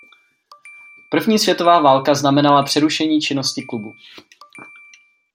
První světová válka znamenala přerušení činnosti klubu.